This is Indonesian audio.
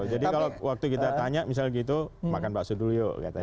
jadi kalau waktu kita tanya misalnya gitu makan bakso dulu yuk katanya